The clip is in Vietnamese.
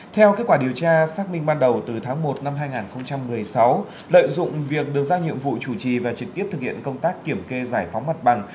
theo kết quả điều tra xác minh ban đầu từ tháng một năm hai nghìn một mươi sáu lợi dụng việc được giao nhiệm vụ chủ trì và trực tiếp thực hiện công tác kiểm kê giải phóng mặt bằng